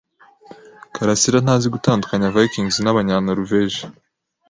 karasira ntazi gutandukanya Vikings n'Abanyanoruveje.